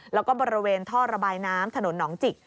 แล้วก็บริเวณท่อระบายน้ำถนนหนองจิก